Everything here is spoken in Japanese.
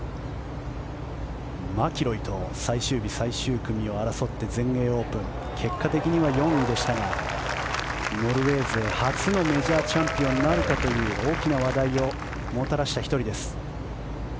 マキロイと最終日、最終組を争って全英オープン結果的には４位でしたがノルウェー勢初のメジャーチャンピオンなるかという大きな話題をもたらした１人です。